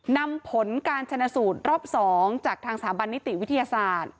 นำผลการชนะสูตรรอบ๒จากทางสถาบันนิติวิทยาศาสตร์